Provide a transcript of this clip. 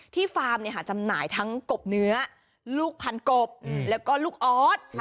ฟาร์มจำหน่ายทั้งกบเนื้อลูกพันกบแล้วก็ลูกออส